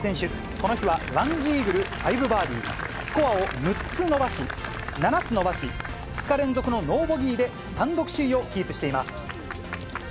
この日は１イーグル５バーディー、スコアを７つ伸ばし、２日連続のノーボギーで単独首位をキープしています。